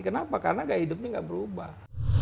kenapa karena gaya hidup ini gak berubah